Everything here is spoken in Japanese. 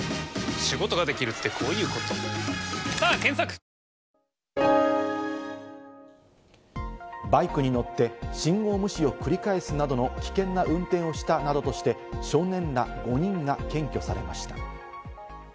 丕劭蓮キャンペーン中バイクに乗って信号無視を繰り返すなどの危険な運転をしたなどとして、少年ら５人が検挙されました。